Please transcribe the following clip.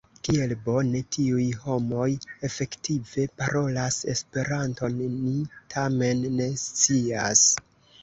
Kiel bone tiuj homoj efektive parolas Esperanton ni tamen ne scias.